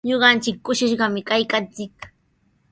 Ñuqanchik kushishqami kaykanchik.